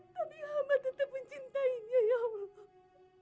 tapi hama tetap mencintainya ya allah